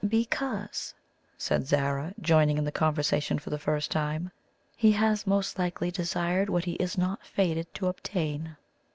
"Because," said Zara, joining in the conversation for the first time, "he has most likely desired what he is not fated to obtain."